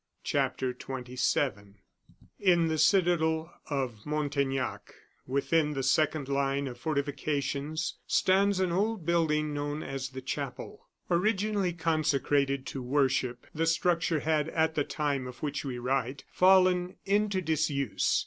CHAPTER XXVII In the citadel of Montaignac, within the second line of fortifications, stands an old building known as the chapel. Originally consecrated to worship, the structure had, at the time of which we write, fallen into disuse.